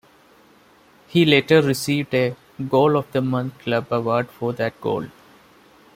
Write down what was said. He later received a "Goal of the Month" club award for that goal.